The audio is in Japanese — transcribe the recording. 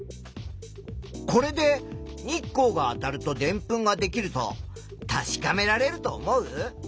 これで日光があたるとでんぷんができると確かめられると思う？